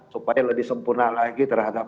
supaya lebih sempurna lagi terhadap